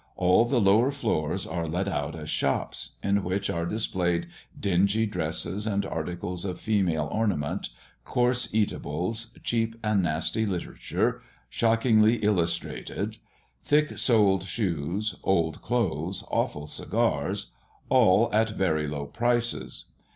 All the lower floors are let out as shops, in which are displayed dingy dresses and articles of female ornament, coarse eatables, cheap and nasty literature, shockingly illustrated; thick soled shoes, old clothes, awful cigars all at very low prices.